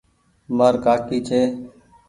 مآر ڪآڪي ڇي ۔